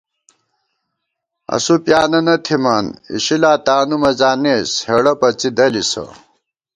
اسُو پیانَنہ تھِمان، اِشِلا تانُو مَزانېس ہېڑہ پڅِی دَلِسہ